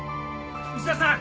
牛田さん